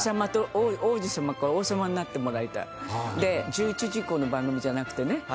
１１時以降の番組じゃなくてね